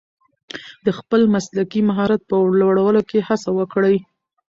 د خپل مسلکي مهارت په لوړولو کې هڅه وکړئ.